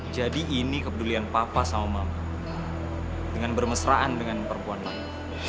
jadi ini kepedulian papa sama mama dengan bermesraan dengan perempuan lain